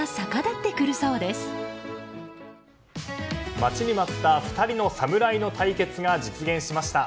待ちに待った２人の侍の対決が実現しました。